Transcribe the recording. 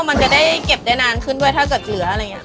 มันจะแยกได้นานขึ้นด้วยถ้าเกิดเหลืออะไรแบบนี้